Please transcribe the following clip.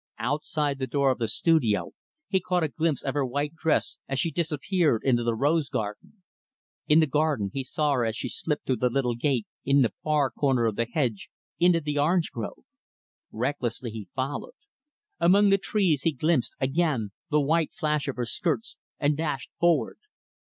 Outside the door of the studio, he caught a glimpse of her white dress as she disappeared into the rose garden. In the garden, he saw her as she slipped through the little gate in the far corner of the hedge, into the orange grove. Recklessly he followed. Among the trees, he glimpsed, again, the white flash of her skirts, and dashed forward.